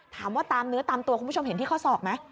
ถามว่าตามเนื้อตามตัวคุณผู้ชมเห็นที่ข้อศอกไหม